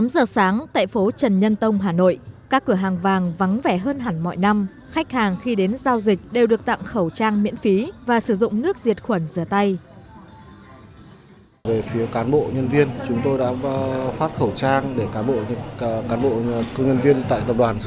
tám giờ sáng tại phố trần nhân tông hà nội các cửa hàng vàng vắng vẻ hơn hẳn mọi năm khách hàng khi đến giao dịch đều được tặng khẩu trang miễn phí và sử dụng nước diệt khuẩn rửa tay